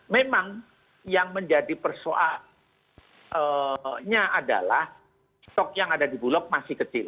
memang yang menjadi persoalannya adalah stok yang ada di bulog masih kecil